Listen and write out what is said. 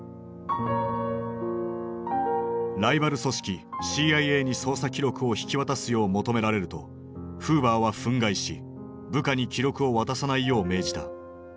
ライバル組織ＣＩＡに捜査記録を引き渡すよう求められるとフーバーは憤慨し部下に記録を渡さないよう命じた。